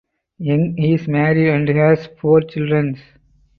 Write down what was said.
Young is married and has four children.